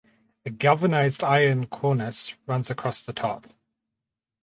A galvanized iron cornice runs across the top.